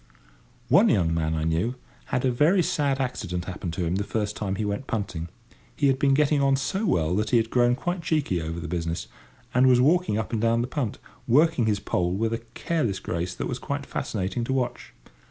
One young man I knew had a very sad accident happen to him the first time he went punting. He had been getting on so well that he had grown quite cheeky over the business, and was walking up and down the punt, working his pole with a careless grace that was quite fascinating to watch.